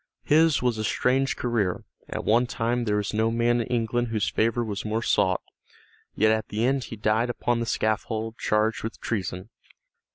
His was a strange career; at one time there was no man in England whose favor was more sought, yet at the end he died upon the scaffold charged with treason.